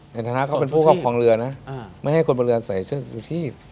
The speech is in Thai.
ในธนาคมเขาเป็นผู้เข้าของเรือนะไม่ให้คนบรรเวิร์นใส่เชิดอยู่ที่